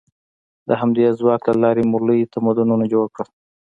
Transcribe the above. د همدې ځواک له لارې مو لوی تمدنونه جوړ کړل.